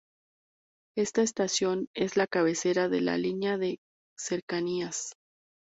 Esta estación es la cabecera de la línea de cercanías.